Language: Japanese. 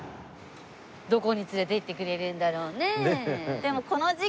どこに連れていってくれるんだろうね？